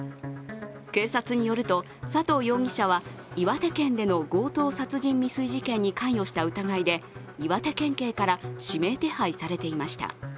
警察によると佐藤容疑者は岩手県での強盗殺人未遂事件に関与した疑いで岩手県警から指名手配されていました。